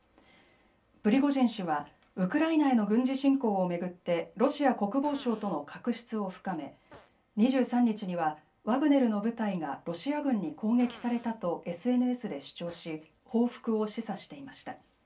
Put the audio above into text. プリゴジン氏はウクライナへの軍事侵攻を巡ってロシア国防省との確執を深め２３日にはワグネルの部隊がロシア軍に攻撃されたとＳＮＳで主張し報復を示唆していました。